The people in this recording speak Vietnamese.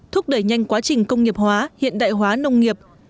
thúc đẩy nhanh quá trình công nghiệp hóa hiện đại hóa nông nghiệp